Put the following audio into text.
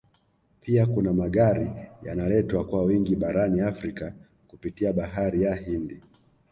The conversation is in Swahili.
Pia kuna Magari yanaletwa kwa wingi barani Afrika kupitia Bahari ya Hindi